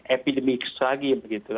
epidemik lagi begitu